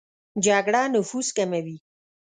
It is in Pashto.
جګړه نفوس کموي